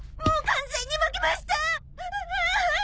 もう完全に負けました！